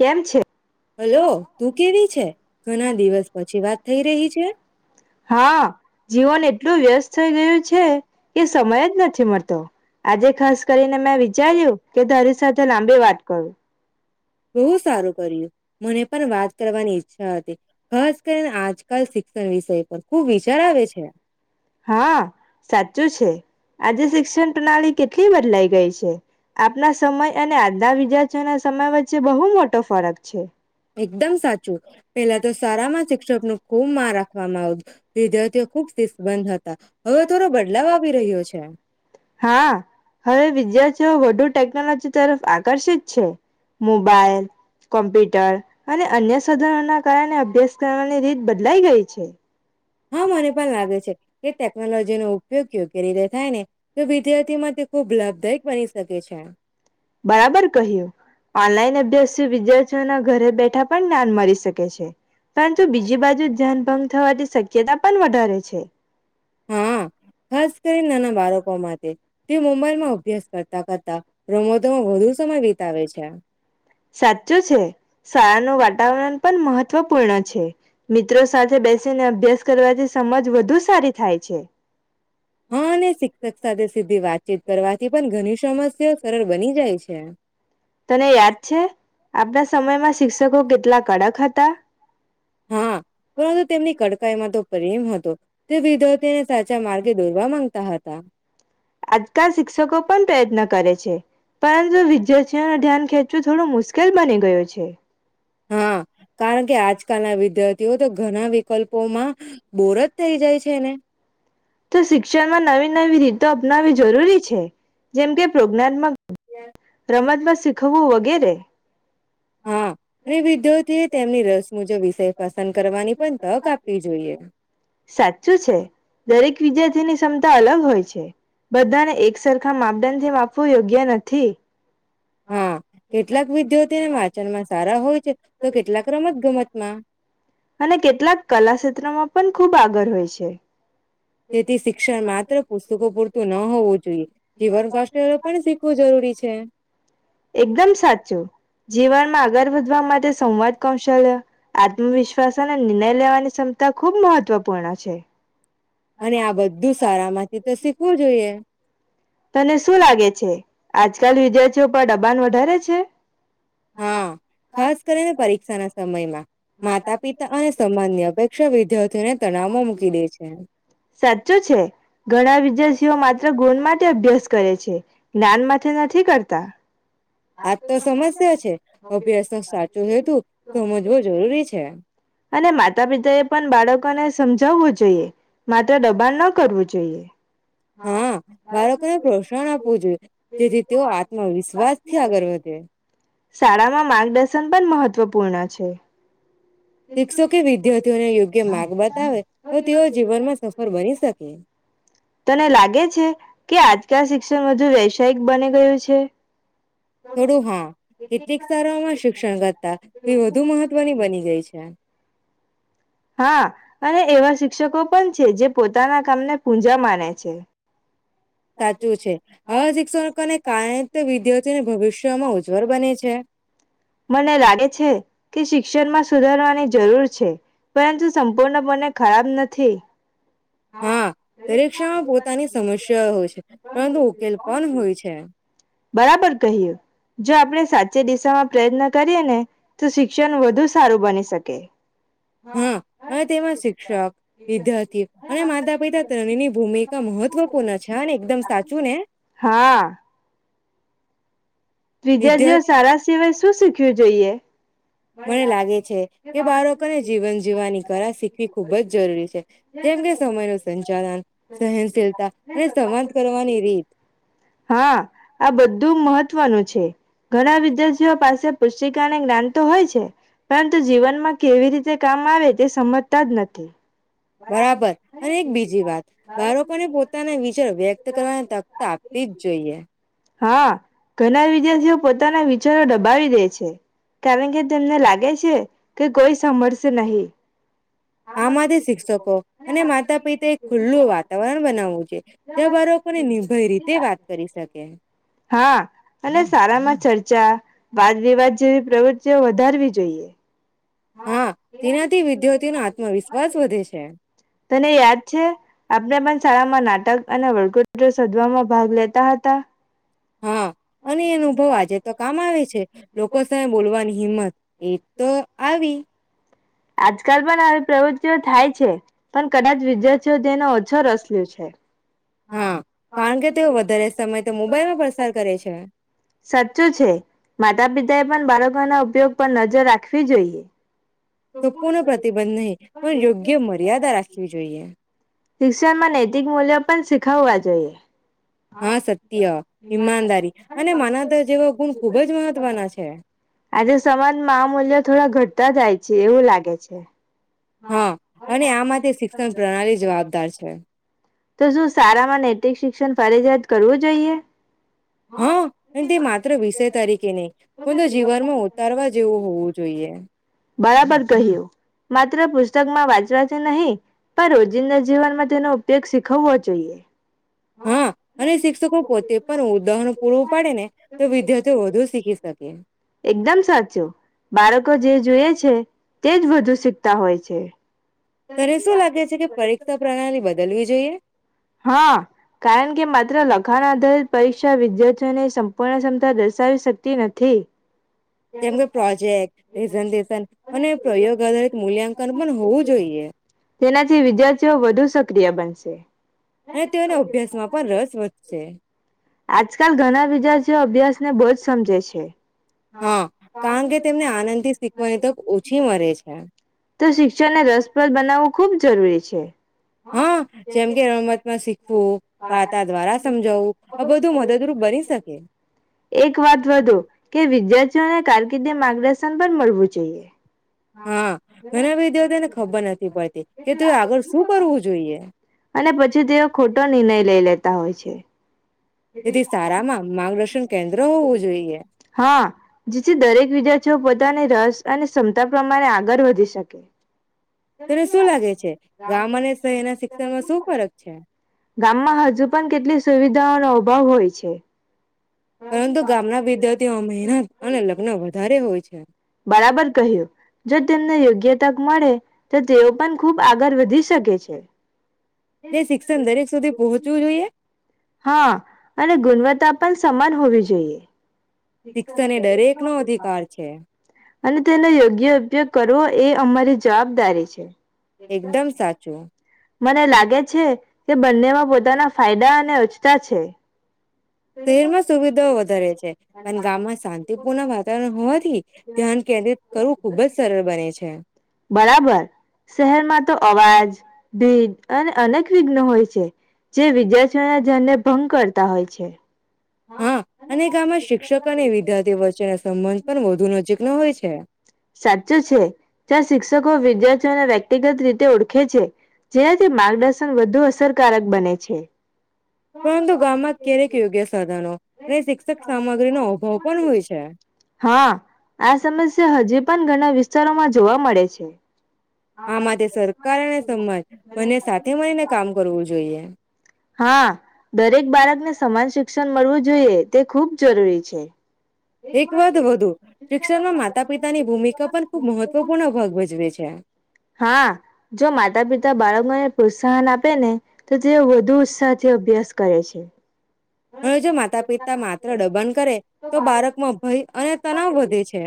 કેમ છે? હલો તું કેવી છે ઘણા દિવસ પછી વાત થઈ રહી છે હા જીવન એટલું વ્યસ્ત થઈ ગયું છે. હે. એ સમય જ નથી મળતો. આજે ખાસ કરીને મેં વિચાર્યું કે તારી સાથે લાંબી વાત કરું. બહુ સારું કર્યું મને પણ વાત કરવાની ઈચ્છા હતી, ખાસ કરીને આજકાલ શિક્ષણ વિષય પર ખુબ વિચાર આવે છે. હા સાચું છે, આજે શિક્ષણ પ્રણાલી કેટલી બદલાઈ ગઈ છે આપના સમય અને આજના બીજા ના સમય વચ્ચે બહુ મોટો ફરક છે. એકદમ સાચું પેલા તો સારામાં શિક્ષક નું ખૂબ માંન રાખવામાં આવતું. વિદ્યાર્થીઓ ખુબ શિસ્તબંધ હતા હવે થોડો બદલાવ આવી રહ્યો છે. બધું ટેકનોલોજી તરફ આકર્ષિત છે મોબાઈલ, કોમ્પ્યુટર અને અન્ય સાધનો ના કારણે અભ્યાસ કરવાની રીત બદલાઈ ગઈ છે. હા મને પણ લાગે છે કે ટેકનોલોજીનો ઉપયોગ યોગ્ય રીતે થાય ને તો વિદ્યાર્થીમાં તે ખૂબ લાભદાયક બની શકે છે. બરાબર કહ્યું ઓનલાઈન અભ્યાસથી વિદ્યાર્થીઓના ઘરે બેઠા પણ જ્ઞાન મળી શકે છે, પરંતુ બીજી બાજુ ધ્યાન ભંગ થવાની શક્યતા પણ વધારે છે. હા ખાસ કરીને નાના બાળકો માટે તે મુંબઈમાં અભ્યાસ કરતા કરતા રમ તો વધુ સમય વિતાવે છે. સાચું છે શાળાનું વાતાવરણ પણ મહત્વપૂર્ણ છે મિત્રો સાથે બેસીને અભ્યાસ કરવાથી સમજ વધુ સારી થાય છે. હા અને શિક્ષક સાથે સીધી વાતચીત કરવાથી પણ ઘણી સમસ્યા સરળ બની જાય છે. હ [unintelligible] તને યાદ છે આપના સમયમાં શી શિક્ષકો કેટલા કડક હતા.? હા પરંતુ તેમની કડકાઈ માં તો પ્રેમ હતો. તે વિદ્યાર્થીને સાચા માર્ગે દોરવા માંગતા હતા. આજકાલ શિક્ષકો પણ પ્રયત્ન કરે છે પરંતુ વિદ્યાર્થીઓનું ધ્યાન ખેંચવું થોડું મુશ્કેલ બની ગયું છે. હા કારણ કે આજકાલના વિદ્યાર્થીઓ તો ઘણા વિકલ્ પોમાં. બોર જ થઈ જાય છે ને. તો શિક્ષણમાં નવી નવી રીતો અપનાવી જરૂરી છે જેમ કે પ્રોગનામક [unintelligible] માં શીખવું વગેરે. હા [inaudible] અને વિદ્યાર્થીએ તેમની રસ મુજબ વિષય પસંદ કરવાની પણ તક આપવી જોઈએ સાચું છે દરેક વિદ્યાર્થી તેની ક્ષમતા અલગ હોય છે. બધાને એક સરખા માપદંડ થી માપવું યોગ્ય નથી. હા કેટલાક વિદ્યાર્થીને વાંચનમાં સારા હોય છે. તો કેટલાક રમત ગમતમાં. અને કેટલાક કલા ક્ષેત્રમાં પણ ખૂબ આગળ હોય છે. તેથી શિક્ષણ માત્ર પુસ્તકો પૂરતું ન હોવું જોઈએ. જીવન [unintelligible] પણ શીખવું જરૂરી છે. એકદમ સાચું. જીવનમાં આગળ વધવા માટે સંવાદ કૌશલ્ય, આત્મવિશ્વાસ અને નિર્નય લેવાની ક્ષમતા ખૂબ મહત્વપૂર્ણ છે. અને આ બધું સારામાંથી તો શીખવું જોઈએ. તને શું લાગે છે, આજકાલ વિદ્યાર્થીઓ પર દબાણ વધારે છે? હા, ખાસ કરીને પરીક્ષા ના સમયમાં. માતા પિતા અને સંબંધની અપેક્ષા વિદ્યાર્થીઓને તણાવો મૂકી દે છે. સાચું છે, ઘણા વિદ્યાર્થીઓ માત્ર ગુણ માટે અભ્યાસ કરે છે, જ્ઞાન માટે નથી કરતા. આજ તો સમસ્યા છે અભ્યાસ તો સાચું છેતું સમજવું જરૂરી છે. અને માતા પિતાએ પણ બાળકોને સમજાવવું જોઈએ માત્ર દબાણ ન કરવું જોઈએ. હા બાળકોને પ્રોત્સાહન આપવું જોઈએ જેથી તેઓ આત્મવિશ્વાસ થી આગળ વધે. શાળામાં માર્ગદર્શન પણ મહત્વપૂર્ણ છે. શિક્ષકે વિદ્યાર્થીઓને યોગ્ય માર્ગ બતાવે તો તેઓ જીવનમાં સફળ બની શકે. તને લાગે છે કે આજકાલ શિક્ષણ હજુ વ્યવસાયિક બની ગયું છે. થોડું હા કેટલીક સારામાં શિક્ષણ કરતા એ વધુ મહત્વની બની ગઈ છે. હા અને એવા શિક્ષકો પણ છે જે પોતાના કામને પૂજા માને છે. સાચું છે આ શિક્ષકોને કારાય વિદ્યાર્થીને ભવિષ્યમાં ઉજ્જવળ બને છે. મને લાગે છે કે શિક્ષણમાં સુધારવાની જરૂર છે પરંતુ સંપૂર્ણ બને ખરાબ નથી. હા, પરીક્ષામાં પોતાની સમસ્યા હો. પરંતુ ઉકેલ પણ હોય છે. બરાબર કહ્યું, જો આપણે સાચે દિશામાં પ્રયત્ન કરીએ ને તો શિક્ષણ વધુ સારું બની શકે. હા ને તેમાં શિક્ષક, વિદ્યાર્થી અને માતા પિતા ત્રણેની ભૂમિકા મહત્વપૂર્ણ છે, એકદમ સાચું ને? વિદ્યાર્ઓ વિદ્યા સારા સિવાય શું શીખ. કુ જઈએ. મને લાગે છે કે બાળકોને જીવન જીવવાની કળા શીખવી ખૂબ જ જરૂરી છે જેમ કે સમયનું સંચાલન સહનશીલતા અને સંવાદ કરવાની રીત હા આ બધું મહત્વનું છે. ઘણા વિદ્યાર્થીઓ પાસે પુસ્તિકાને જ્ઞાન તો હોય છે, પરંતુ જીવનમાં કેવી રીતે કામ આવે તે સમજતાજ નથી. બરાબર અને એક બીજી વાત, બાળકોને પોતાના વિચાર વ્યક્ત કરવાની તકત તો આપતી જ જોઈએ. હા, ઘણા વિદ્યાર્થીઓ પોતાના વિચારો દબાવી દે છે, કારણકે તેમને લાગે છે કે કોઈ સાભળશે નહી. આમાંથી શિક્ષકો અને માતા પિતા એક ખુલ્લું વાતાવરણ બનાવવું છે, જ્યાં બાળકોને નિર્ભય રીતે વાત કરી શકે. હા અને શારામાં ચર્ચા વાદ વિવાદ જેવી પ્રવૃતિઓ વધારવી જોઈએ. હા, તેનાથી વિદ્યાર્થીઓનો આત્મવિશ્વાસ વધે છે. તને યાદ છે, આપણે પણ શાળામાં નાટક અને વર્તુટ શોધવામાં ભાગ લેતા હતા. હા અને એ અનુભવ આજે તો કામ આવે છે. લોકો સામે બોલવાની હિંમત એ તો આવી. આજકાલ પણ આવી પ્રવૃત્તિઓ થાય છે, પણ કદાચ વિદ્યાર્થીઓ તેનો ઓછો રસ લ્યો છે. હા કારણ કે તેઓ વધારે સમય તો મોબાઈલમાં પસાર કરે છે સાચું છે. માતા પિતા એ પન બાળકો ના ઉપયોગ પર નજર રાખવી જોઈએ. સંપૂર્ણ પ્રતિબંધ નહીં, પણ યોગ્ય મર્યાદા રાખવી જોઈએ. શિક્ષણમાં નૈતિક મૂલ્યો પણ શીખવવા જોઈએ. હા સત્ય, ઈમાનદારી અને માનવતા જેવા ગુણ ખુબ જ મહત્વના છે. આજે સમાજમાં આ મુલ્ય થોડા ઘટતા જાય છે એવું લાગે છે. હા અને આ માટે શિક્ષણ પ્રણાલી જવાબદાર છે. તો શું સારામાં નૈતિક શિક્ષણ ફરજિયાત કરવું જોઈએ. હા, પણ તે માત્ર વિષય તરીકે નહીં. પંતુ જીવનમાં ઉતારવા જેવું હોવું જોઈએ. બરાબર કહ્યું, માત્ર પુસ્તકમાં વાંચવાથી નહીં પણ રોજિંદા જીવનમાં તેનો ઉપયોગ સી ખવ્વો જોઈએ. હા, અને શિક્ષકો પોતે પણ ઉદાહરન પૂરું પાડે ને તો વિદ્યાર્થીઓ વધુ શીખી શકે. એકદમ સાચું, બાળકો જે જોએ છે તે જ વધુ શીખતા હોય છે. તને શું લાગે છે કે પરીક્ષા પ્રણાલી બદલવી જોઈએ. હા કારણ કે માત્ર લખાણ આધારિત પરીક્ષા વિદ્યાર્થીઓને સંપૂર્ણ ક્ષમતા દર્શાવી શકતી નથી. કેમ કે પ્રોજેક્ટ, પ્રેઝન્ટેશન અને પ્રયોગ આધારિત મૂલ્યાંકન પણ હોવું જોઈએ. તેનાથી વિદ્યાર્થીઓ વધુ સક્રિય બનશે. અને તેઓના અભ્યાસ માં પણ રસ વધશે. આજકાલ ઘણા વિદ્યાર્થીઓ અભ્યાસને બહુ જ સમજે છે. હા કારણ કે તેમને આનંદથી શીખવાની તક ઓછી મળે છે તો શિક્ષણને રસપ્રદ બનાવવું ખુબ જરૂરી છે. હા જેમ કે રમતમાં શિ ખવું વાર્તા દ્વારા સમજાવવું આ બધું મદદરૂપ બની શકે. એક વાત વધુ કે વિદ્યાર્થીઓને કારકિર્દી માર્ગદર્શન પણ મળવું જોઈએ. હા ઘણા વિદ્યાર્થીઓને ખબર નથી પડતી કે તે આગળ શું કરવું જોઈએ અને પછી તે ખોટો નિર્ણય લઈ લેતા. તા હોય છે. તેથી સારામાં માર્ગદર્શન કેન્દ્ર હોવું જોઈએ હા જેથી દરેક વિદ્યાર્થીઓ પ ની રસ અને ક્ષમતા પ્રમાણે આગળ વધી શકે. તને શું લાગે છે ગામ અને શહેરના શિક્ષણમાં શું ફરક છે? ગામમાં હજુ પણ કેટલી સુવિધાઓનો અભાવ હોય છે. પરંતુ ગામના વિદ્યાર્થીઓમાં મહેનત અને લગ્ન વધારે હોય છે. હમ્મ. બરાબર કહ્યું જો તેમને યોગ્ય તક મળે તો તેઓ પણ ખૂબ આગળ વધી શકે છે. એ શિક્ષણ દરેક સુધી પહોંચવું જોઈએ? હા, અને ગુણવત્તા પણ સમાન હોવી જોઈએ. શિક્ષણ એ, દરેક નો અધિકાર છે. અને તેનો યોગ્ય ઉપયોગ કરવો એ અમારી જવાબદારી છે. એકદમ સાચું. મને લાગે છે કે, બંનેમાં પોતાના ફાયદા અને અછતા છે. શહેરમાં સુવિધાઓ વધારે છે, પણ ગામમાં શાંતિપૂર્ણ વાતાવરણ હોવાથી ધ્યાન કેન્દ્રિત કરવું ખુબ જ સરળ બને છે. બરાબર. શહેરમાં તો અવાજ, ભીજ અને અનેક વિઘ્ન હોય છે, જે વિદ્યાર્થીના ધ્યાનને ભંગ કરતા હોય છે. હા, અને ગામમાં શિક્ષકો અને વિદ્યાર્થીઓ વચ્ચેના સંબંધ પણ વધુ નજીકના હોય છે. સાચું છે. જ્યાં શિક્ષકો વિદ્યાર્થીઓને વ્યક્તિગત રીતે ઓળખે છે, જેનાથી માર્ગદર્શન વધુ અસરકારક બને છે. પરંતુ ગામમાં ક્યારેક યોગ્ય સાધનો અને શિક્ષક સામગ્રીનો અભાવ પણ હોય છે હા આ સમસ્યા હજી પણ, ઘણા વિસ્તારોમાં જોવા મળે છે. આ માટે, સરકાર અને સમાજ બંને સાથે મળીને કામ કરવું જોઈએ. હા, દરેક બાળકને સમાન શિક્ષણ મળવું જોઈએ તે ખૂબ જરૂરી છે. એક વાદ વધુ, શિક્ષણમાં માતા-પિતાની ભૂમિકા પણ ખૂબ મહત્વપૂર્ણ ભાગ ભજવે છે. હા, જો માતા પિતા બાળકોને પ્રોત્સાહન આપે ન તો તેઓ વધુ ઉત્સાહથી અભ્યાસ કરે છે. અને, જો માતા-પિતા માત્ર દબણ કરે તો બાળકમાં ભય અને તણવ વધે છે.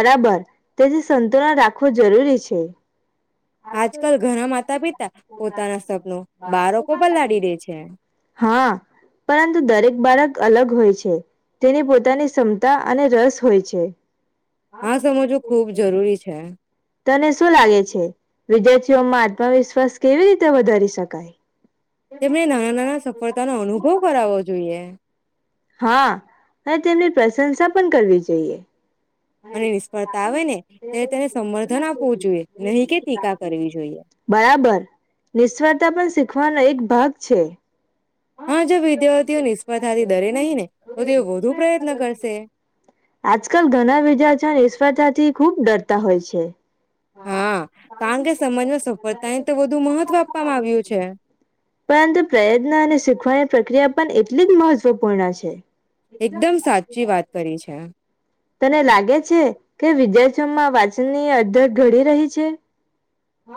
બરાબર. તેથી સંતુલન રાખવું જરૂરી છે. આજકલ ઘણા માતા-પિ પોતાના સપનું બાળકો પર લાડી દે છે. હા, પરંતુ દરેક બાળક અલગ હોય છે તેની પોતાની ક્ષમતા અને રસ હોય છે. આ સમજવું ખૂબ જરૂરી છે. તને શું લાગે છે, વિદ્યાર્થીઓમાં આત્મવિશ્વાસ કેવી રીતે વધારી શકાય? તેમને નાના-નાના સફળતાનો અનુભવ કરાવવો જોઈએ. હા, અને તેમની પ્રશંસા પણ કરવી જોઈએ. અને નિષ્ફળતા આવે ને ત્યારે તેને સમર્થન આપવું જોઈએ નહીં કે ટીકા કરવી જોઈએ બરાબર નિષ્ફળતા પણ શીખવા ભાગ છે. હા, જો વિદ્યાર્થીઓ નિષ્ફળતાથી ડરે નહીં ને, તો તેઓ વધુ પ્રયત્ન કરશે. આજકલ ઘણા બીજા જણ નિશ્ફતાથી ખુબ ડરતા હોય છે. હા, કારણ કે સમાજમાં સફળતાને તો વધુ મહત્વ આપવામાં આવ્યું છે. પરંતુ પ્રયત્ન અને શીખવાની પ્રક્રિયા પણ એટલી જ મહત્વપૂર્ણ છે. એકદમ સાચી વાત કરી છે. તને લાગે છે કે વિદ્યાર્થીઓમાં વાંચનની અધત ઘડી રહી છે.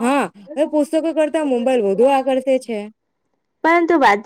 હા હવે પુસ્તકો કરતા મુંબાઈલ વધુ આકર્ષે છે. પરંતુ વા